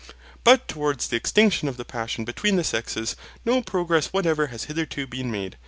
But towards the extinction of the passion between the sexes, no progress whatever has hitherto been made.